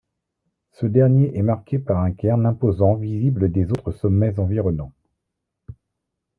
Ce dernier est marqué par un cairn imposant visible des autres sommets environnants.